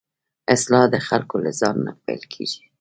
اصلاح د خلکو له ځان نه پيل کېږي.